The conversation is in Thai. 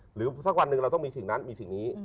หรือสักวันหนึ่งเราต้องมีสิ่งนั้นมีสิ่งนี้